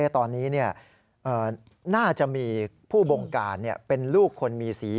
ตอนนี้น่าจะมีผู้บงการเป็นลูกคนมีสี